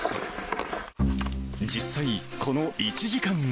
実際、この１時間後。